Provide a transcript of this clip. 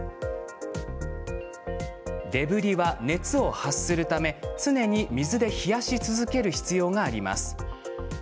デブリは熱を発するため常に水で冷やし続ける必要があります。